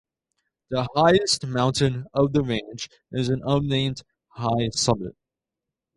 The highest mountain of the range is an unnamed high summit.